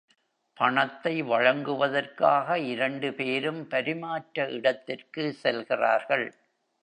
பணத்தை வழங்குவதற்காக இரண்டு பேரும் பரிமாற்ற இடத்திற்கு செல்கிறார்கள்.